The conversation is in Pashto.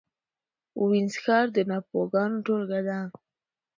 وینز ښار د ټاپوګانو ټولګه ده